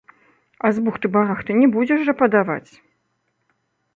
А з бухты-барахты не будзеш жа падаваць!